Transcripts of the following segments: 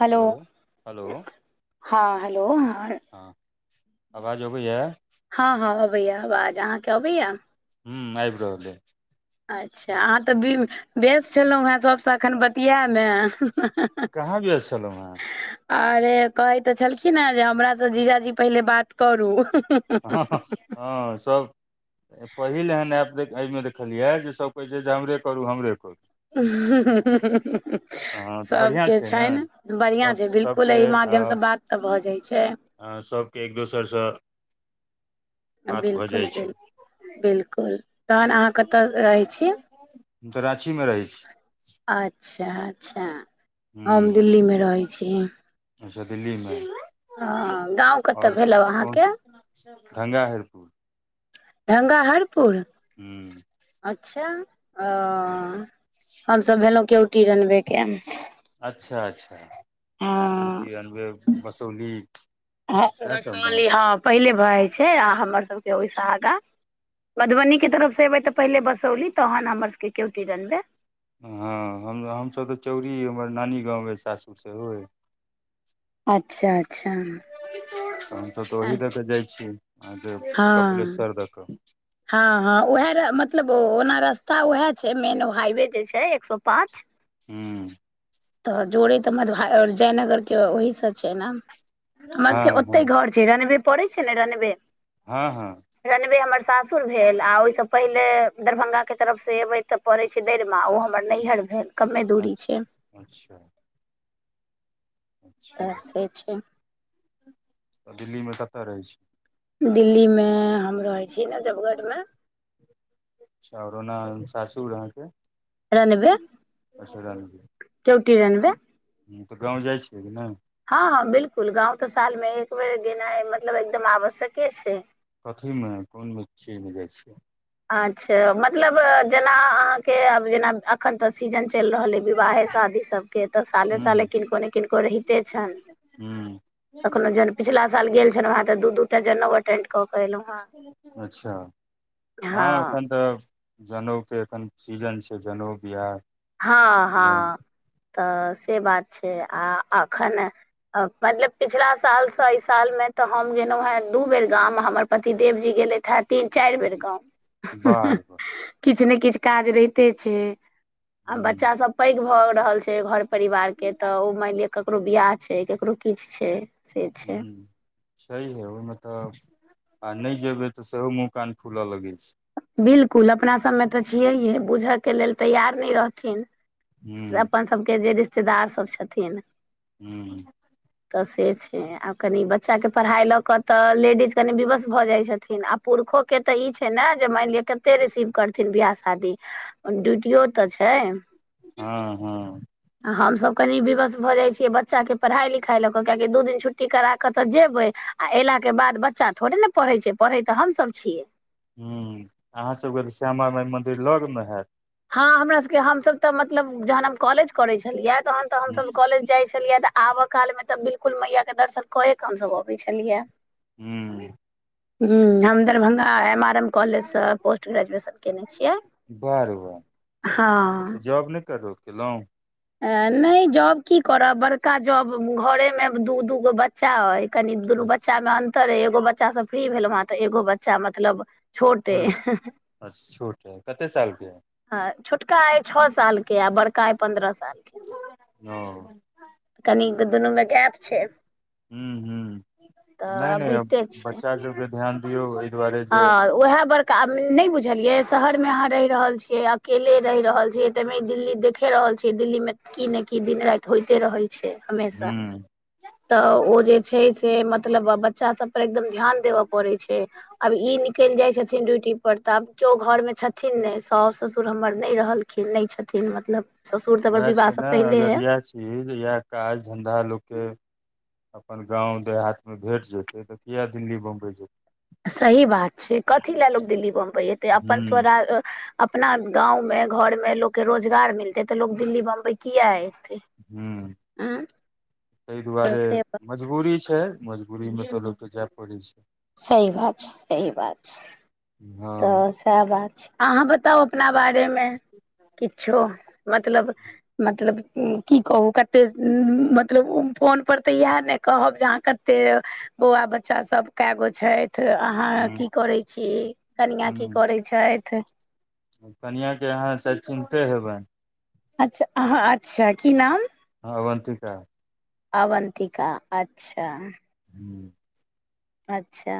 Hello hello हँ hello ह हँ आवाज ओबय या हँ हँ अबैया आवाज अहाँ केँ अबैया हूँ आबि रहल यै अच्छा अहाँ तऽ ब्यू बेस छलहुँ हँ सभसँ एखन बतिियाएमे कहाँ व्यस्त छललहु है अरे कहै तऽ छलखिन ह जे हमरासँ जीजाजी पहिले बात करू ह हँ सब पहिल एहन ऐप दैखाय मे देखलियै जे सभ कहैत छै जे हमरे करू हमरे करू हा हा हँ तऽ बढ़िआँ सभके छै ने छनि बढ़िआँ सब छै बिलकुल सबके एहि माध्यमसँ बात तऽ भऽ जाइ छै सभके एक दोसर सँ बात भऽ जाइ बिलकुल छै बिल बिलकुल तहन अहाँ कतय रहै छी हम तऽ राँचीमे रहै छी अच्छा अच्छा हम हूँ दिल्ली मे रहै छी अच्छा दिल्ली मे ह गाँंव कतअ भेल अहाँके ढंगा हरपुर ढंगाहरपुर हूँ अच्छा ओ [inaudible] हमसभ भेलहुं केवटी रनबे के। अच्छा अच्छा हँ केवटी रनबै मसौली इएहसभ ने? छैय आ हमर सबके ओहिसँ आगा। मधुबीके तरफसँ एबै तऽ पहिले बसौली तहन हमर सबके केवटी रनबे। हँ हम हमसभ तऽ चौरी हमर नानी गाँव अइ सासुर सेहो होइ अच्छा अच्छा हम सब तऽ ओहि हँ द क जाइ छी। अहके कपिलेश्वर द क। हँ हँ उएह मतलब ओना रस्ता उएहे छैय मेन हाइवे जे छैय एक सौ पाँच। हू तऽ जोड़े त मधु जयनगर के ओहि से छैय ने हमर सब के हँ ओतय घर छैय रनबे पड़ै छैय ने रनबे हँ हँ रनवे हमर सासुर भेल आ ओहिसँ पहिले दरभंगाके तरफसँ अयबै तऽ पड़ै छैय दैरमा ओ हमर नैहर भेल कमे दूरी छैय। अच्छा अच्छा तऽ से छै तऽ दिल्लीमे कतऽ रहै छी? दिल्ली मे हम रहै छी नजफगढ़ मे चावरो ओना साासूर आहां के रनवे अच्छा रनवे केवती रनबे। त गाँव जाइ छियै कि नहि? हँ हँ बिल्कुल गाँंव तऽ साल में एक बेर गेनाय मतलब एकदम आवश्यके छैय। कथीमे कोन मिर्ची मे जाइ छीयै? अच्छा मतलब जेना अहाँके आब जेना अखन तऽ सीजन चलि रहल अछि विवाहे शादी सबके तऽ साले साले किनको ने किनको रहिते छनि। कखनो जन पिछला साल गेल छलहुँ हें तऽ दू दू टा जनेउ अटेंड कऽ के एलहुँ हेँ। अच्छा हँ हँ एखन तऽ जनउके एखन सीजन छैय जनउ बियाह। हँ उपनयन हँ तऽ से बात छैय आ आखन मतलब पिछला सालसँ एहि साल मे तऽ हम गेलहुँ हेँ दू बेर गाम हमर पति देव जी गेलैथ ह तीन चारि बेर गाँव बार बार किछु ने किछ काज रहिते छैय। आ हूँ बच्चा सब पैघ भए रहल छैय घर परिवार के तऽ ओ मानि लिअ ककरो बियाह छैय ककरो किछु छैय। हू छैहे ओहिमे तऽ आ नहि जेबै तऽ सेहो मुँह कान फूलऽ लगैत छैय। बिलकुल अपना सभमे तऽ छियैेहे बुझयके लेल तैयार नहि रहथिन। ह्म अपन सभके जे रिश्तेदारसभ छथिन। ह्म तऽ से छैय आब कनि बच्चाके पढ़ाइ लऽ कऽ तऽ लेडीज कनि विवश भऽ जाइत छथिन आब पुरखो के तऽ ई छैय ने जे मानि लिअ कते रिसीव करथिन बियाह शादी ड्यूटियो तऽ छैय। हँ हँ हमसभ कनि विवस भऽ जाइ छियै बच्चाके पढ़ाइ लिखाइ लऽ कऽ कियाकि दू दिन छुट्टी करा कऽ तऽ जेबै आ एला के बाद बच्चा थोड़े ने पढ़े छैय पढय तऽ हमसब छीयै। हू अहाँसभके तऽ श्यामा माइ मन्दिर लग मे हैत? हँ हमरा सबके हमसभ तऽ मतलब जहन हम कॉलेज करै छलियै तहन तऽ हमसभ कॉलेज जाइ छलियै त आबऽ काल मे तऽ बिल्कुल मैया के दर्शन कये के हमसब अबै छलियै य। हूं हू हम Darbhanga M R M college सँ पोस्ट ग्रेजुएशन कयने छियै बाह रे बाह हँ जॉब नहि कतऊ केलऊ नहि जॉब की करब बड़का जॉब घरे मे दू दू गो ब बच्चा अइ कनि दुनू बच्चा मे अन्तर अइ एगो बच्चासँ फ्री भेलहुँ हेँ तऽ एगो बच्चा मतलब छोट फेर अइ अच्छा छोट है कते साल के हँ छोटका अइ छ साल के आ बड़का अइ पन्द्रह साल के ओ कनि दुनू मे गैप छै ह ह नइ तऽ नइ बुझिते छियै बच्चा सबके ध्यान दियऔ हँ उएह बड़ न बुझलिये शहर में अहाँ रहि रहल छीयै अकेले रहि रहल छीयै तेमे दिल्ली देख देख रहल छै दिल्ली मे की ने की दिन राति होइते रहै छै हमेशा तऽ ओ जे छै से मतलब बच्चा सभ पर एकदम ध्यान देबय पड़ै छै आब ई निकलि जाय छथिन ड्यूटी पर तऽ आब जो घर मे छथिन ने साउ ससुर हमर नहि रहल खीन नहि छथिन मतलब ससुर तऽ हम वएह छै विवाहसँ ने पहिले अगर है इएह चीज या काज धन्धा लोक के अपन गाँव देहांत मे भेट जेतै तऽ किए दिल्ली बम्बइ जेतै सही बात छै कथी लए लोग दिल्ली बम्बई एतै अपन ह स्वरा अपना गाँंव में घर में लोक के रोजगार मिलते तऽ लोग दिल्ली बम्बई किया एते ह तइ तऽ दुआरे से बात मजबूरी छै मजबूरी मे तऽ लोकके जाय पड़ैत छै सही बात छै सही बात छै हँ तऽ सएह बात छै अहाँ बताउ अपना बारेमे किछो मतलब मतलब की कहू कते मतलब फोनपर तऽ इएह ने कहब जे अहाँ कते एते बौआ बच्चा सब कए गो छथि अहाँ ह की करै छी कनिया की करै छथि ह कनिआ के अहाँ शायद चिन्ते हेबै अच्छा आहा अच्छा की नाम अवन्तिका अवन्तिका अच्छा [inaudible] अच्छा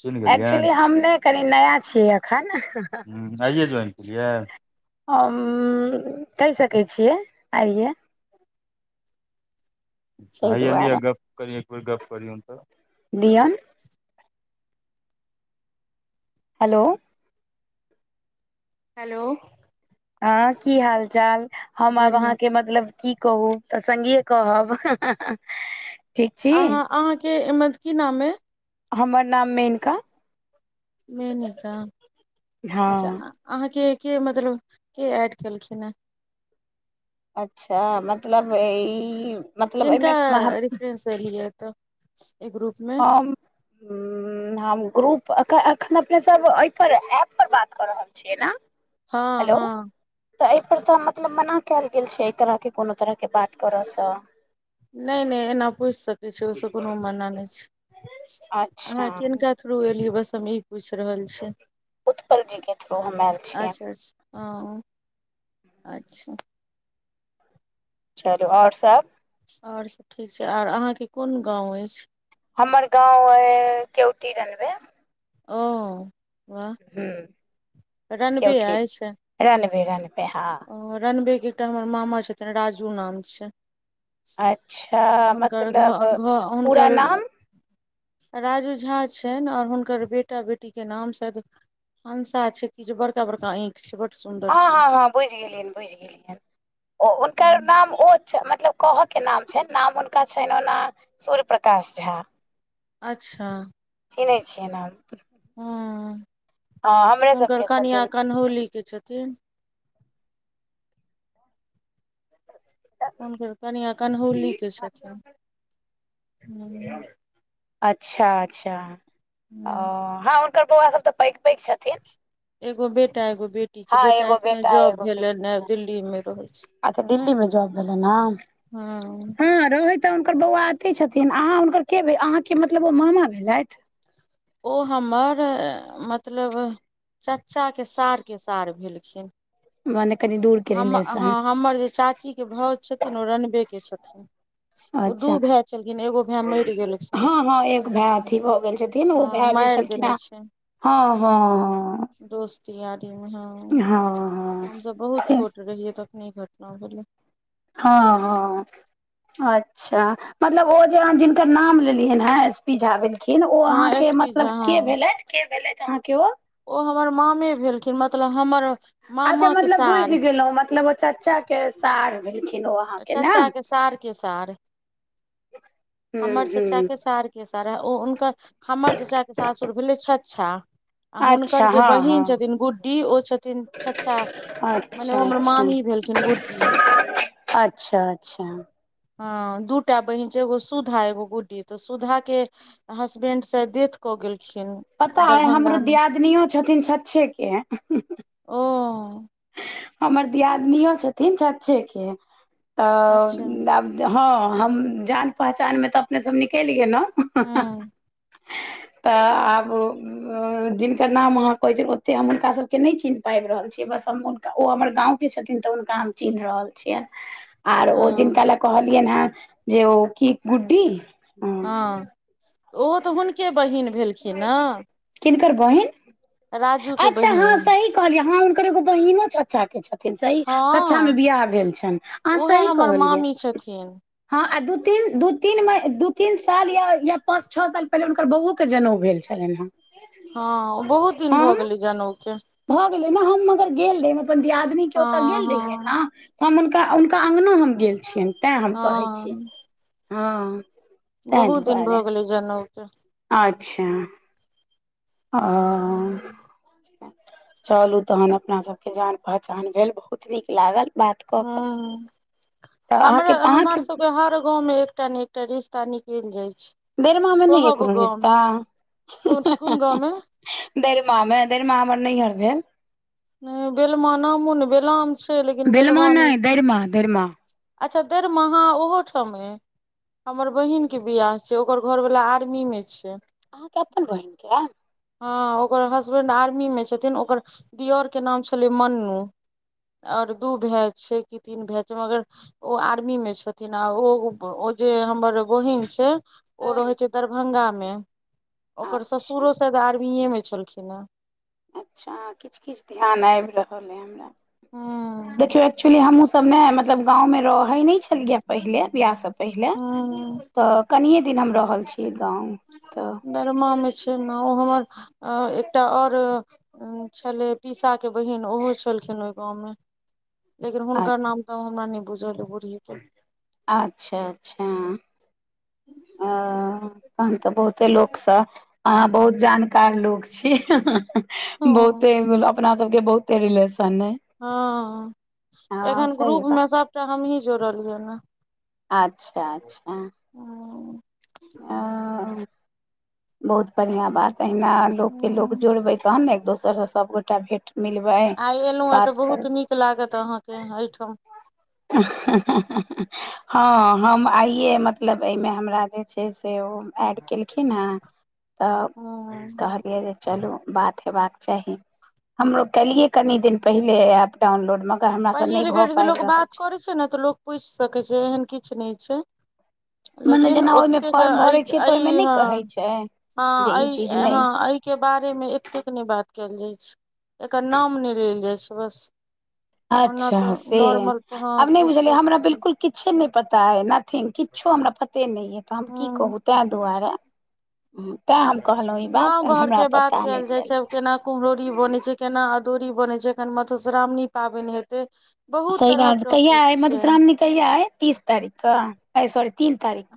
चिन्ह एक्चुअली गेलियनि हम नै कनि नया छियै एखन ह आइए ज्वाइन किए हम कहि सकै छियै आइए ताहि अच्छा लियै दुआरे गप करी एक बेर गप्प करियौन तऽ दियोन हलो हेलो हँ की हाल चाल हम आब अहाँके मतलब की कहू तऽ संगीए कहब ठीक छी अहाँ अहाँके मत की नाम अय हमर नाम मेनका मेनिका हँ अच्छा आ अहाँके के मतलब के एड केलखिन हे अच्छा मतलब ई मतलब किनका एहिमे हम रेफरेंस एलियै एतऽ इ ग्रुप मे हम [inaudible] हम ग्रुप अखन अपने सब एहिप एप पर बात कऽ रहल छियै न हँ हँ तऽ एहिपर तऽ मतलब मना कयल गेल छै एहि तरहके कोनो तरहके बात करयसँ नहि नहि एना पूछि सकैत छै ओहिसँ कोनो मना नहि छै अहाँ अच्छा किनका थ्रू एलियै बस हम ई पूछि रहल छै उत्पल जीके थ्रू हम आएल छियै अच्छा अच्छा हँ अच्छा चलू आओर सब आओर सभ ठीक छै आर अहाँके कोन गाँव अछि हमर गाँव ऐ उतिरन भेल ओ वाह हूँ रनबे अछि रनबे रनबे हँ रनबे के एकटा हमर मामा छथिन राजू नाम छै अच्छा हुनकर मतलब घर घर पूरा हुनकर नाम राजू झा छनि आओर हुनकर बेटा बेटीके नाम स हंसा छै किछु बड़ा बड़का आंखि बड सुन हँ हँ हँ बुझि गेलियनि बुझि गेलियनि ओ हुनकर हँ नाम ओ मतलब कहऽ के नाम छै नाम हुनका छनि ओना सूर्य प्रकाश झा अच्छा चीनहै छियै हम हूँ हुनकर सबके छथिन कनहौली के छथिन हुनकर कनियाँ कन्हौली के छथिन ह अच्छा अच्छा हँ हुनकर बौआ सब तऽ पैघ पैघ छथि एगो बेटा एगो बेटी छै हँ बेटा एगो एखने जॉब एगो भेलै बेटी ह छनि दिल्ली मे रहैत छै अच्छा दिल्ली मे जॉब भेलै हँ ह तऽ हुनकर बौआ अथि छथिन अहाँ हुनकर के भेल अहाँके मतलब ओ मामा भेलथि ओ हमर मतलब चाचाके सारके सार भेलखिन बन कनि दूर के हम हँ रिलेशन हमर जे चाचीके भाउज छथिन ओ रनबेके छथिन ओ दू अच्छा भाय छलखिन एगो भाय मरि गेल हँ हँ एक भाय अथी भऽ गेल छथिन ओ हँ भए जे मारि छलखिन देने ह छै हँ हँ हँ दोस्त यारीमे ह हँ हमसब से बहुत छोट रहियै तखनी घटना भेलै हँ हँ अच्छा मतलब ओ जे जिनकर नाम लेलियै ह एस पी झा भेल किन ओ हँ अहाँके एस पी झा मतलब के हँ भेलथि के भेलथि अहाँ के ओ ओ हमर मामे भेलखिन मतलब हमर अच्छा मामा के मतलब सार बुझि गेलो मतलब ओ चाचा के सार भेलखिन ओ अहाँके ने चचा के सार के सार हमर चाचा हूँ के सार के सार ओ हुनकर हमर चाचा के सासुर भेलै छछा आ हुनकर अच्छा जे हँ बहिन हँ छथिन गुड्डी ओ छथिन छछा मने अच्छा ओ हमर अच्छा मामी भेलखिन गुड्डी अच्छा अच्छा अ दूटा बहिन छै एगो सुधा एगो गुड्डी तऽ सुधा के हसबैंड डेथ कऽ गेलखिन पता हय हमरो दरभंगा मे दियादिनियो छथिन छछे के ओ हमर दियादिनो छथिन छछ्छे के अच्छा हूँ तऽब हँ हम जान पहचानमे तऽ अपने सब निकलि गेलौ हँ तऽ आब जिनकर नाम अहाँ कहै छियै ओते हम हुनका सबके नहि चिन्ह पाबि रहल छियै बस ओ हमर गांव के छथिन तऽ हुनका हम चिह्न रहल छियैन कहलियैन हन जे ओ की गुड्डी हँ ओहो तऽ हुनके बहिन भेलखिन ने किनकर बहिन राजू के अच्छा हँ बहिन सही कहलियै हँ हुनकर एगो बहिनो चाचा के छथि न सही छछा मे हँ बिवाह भेल छनि अहाँ उएह सही हमर कहलियै मामी छथिन हँ आ दू तीन दू तीन दू तीन साल या या पाँच छओ साल पहिनेे हुनकर बौओके जनउ भेल छैन छलैन हन हँ बहुत दिन भऽ गेलै जनउके भऽ गेलै ने हम मगर गेल रहहि अपन दियादनी के ओतय हँ गेल रहियै हँ ने हम हुनका हुनका अँगनो हम गेल छियनि तैँ हम कहै छी हँ हँ तैँ बहुत दिन भऽ दुआरे गेलै जनउ के अच्छा ओ चलू तहन अपना सबके जान पहचान भेल बहुत नीक लागल बात कऽ ह कऽ तऽ अहाँके हमरा हमर अहाँके सबके हर गाँवमें एकटा ने एक टा रिश्ता निकल जाइ छै देयरिमा मे नहि यै सोहब एकोटा गाँव रिश्ता मे कोन कोन गाँव दरिमामे देरिमा हमर नहियर भेल बेलमा नामो ने बेलाम छै लेकिन बेलमा नहि छै अच्छा दरिमा ह ओहोठाम यै हमर बहिन के अहाँके बियाह छै ओकर घर वला आर्मी मे छै आहां के अपन बहिन यै हँ ओकर हसबैंड आर्मीमे छथिन ओकर देओरके नाम छलै मन्नू आओर दू भाय छै कि तीन भाय छै मगर ओ आर्मी मे छथिन आ ओ ओ जे हमर बहिन छै ओ हँ रहय छै दरभंगा मे ओकर अच्छा ससुरो शायद आर्मीए मे छलखिन हे अच्छा किछ किछ ध्यान आबि रहल ह हमरा हूँ देखियौ एक्चुअली हमहुँ सब तब ने मतलब गाँवमे रहै नहि छलियै पहिले बियाहसँ पहिले हूँ तऽ कनिये दिन हम रहल छियै गाँव तऽ दरिमा मे छै ने ओ हमर एकटा आओर उ छलै पीसा के बहिन ओहो छलखिन ओहि गाँंव मे लेकिन आ हुनकर नाम तऽ हमरा नहि बुझलयै बुड़ही के अच्छा अच्छा अ [unintelligible] तहन तऽ बहुते लोक सब अहाँ बहुत जानकार लोक छी हँ बहुते अपना सब के बहुते रिलेशन अए हँ एखन सही ग्रुप बात मे सभटा हमही जोड़लियै ने अच्छा अच्छा हूँ ओ बहुत बढ़िआँ बात अहिना लोकके लोक हूँ जोड़बैत तहन ने एक दोसर से सबगोटा भेंट मिलबै आइ एलहुँ हेँ तऽ बात बहुत करबै नीक लागत अहाँके एहिठाम हँ हम आइए मत लब एहिमे हमरा जे छै से ओ एड केलखिन हँ ह तऽ जे चलू बात हेबाक चाही हमरो केलियै कनि दिन पहिले एप डाउनलोड मगर हमरासँ नहि भऽ पाबि रहल करे छै ने तऽ लोग पूछि सकै छै एहन किछ नहि छै मने लेकिन जेना ओहिमे ओतेक फॉर्म भरै छियै अ तऽ ओहिमे नहि ह कहै छै जे हँ ई चीज ह नहि [unintelligible] के बारे मे एतेक नहि बात कयल जाय छै एकर नाम नहि लेल जाय छै बस ओना अच्छा तऽ से नॉर्मल हँ आब नहि बुझलियै पूछि हमरा बिलकुल किछे नहि पता है नथिंग किछो हमरा पता पते नहि यऽ तऽ हम की ह कहू ताहि दुआरे तैँ हम कहलहुँ ई गाँव बातन घर हमरा के बात पता नहि कयल जाइ चलल छै केना कुम्हरौरी बनै छै केना अदौरी बनैत छै कनि मधुश्रावणी पाबनि हेतै बहुत सही तरहक बात कहिया टॉपिक हय छै मधुश्रावणी कहिया हय तीस तारीख क सॉरी तीन तारीख क